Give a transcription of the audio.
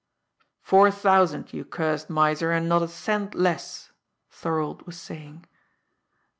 "Four thousand, you cursed miser, and not a cent less," Thorold was saying.